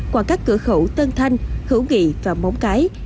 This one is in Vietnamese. qua các cửa khẩu tân thanh hữu nghị và móng cái